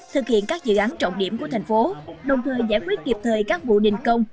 thực hiện các dự án trọng điểm của thành phố đồng thời giải quyết kịp thời các vụ đình công